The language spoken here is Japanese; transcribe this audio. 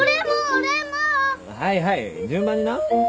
はいはい順番にな。